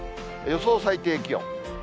予想最低気温。